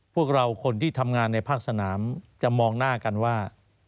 พวกเราคนที่ทำงานในภาคสนามจะมองหน้ากันว่า